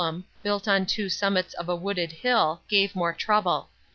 CHAP vi built on two summits of a wooded hill, gave more trouble.